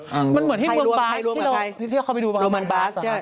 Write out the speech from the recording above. มันเหมือนที่เขาไปดูโรมันบัส